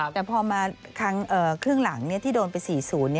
แต่พอมาครั้งครึ่งหลังที่โดนไป๔๐